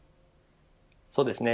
そうですね。